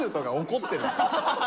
怒ってる！